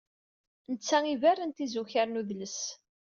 Netta iberren tizukar n udles.